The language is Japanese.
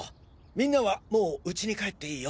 みんなはもう家に帰っていいよ。